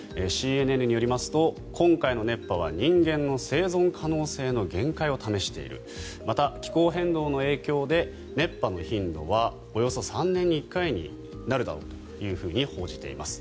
ＣＮＮによりますと今回の熱波は人間の生存可能性の限界を試しているまた、気候変動の影響で熱波の頻度はおよそ３年に１回になるだろうと報じています。